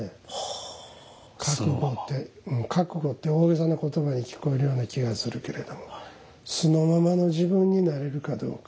覚悟って大げさな言葉に聞こえるような気がするけれども素のままの自分になれるかどうか。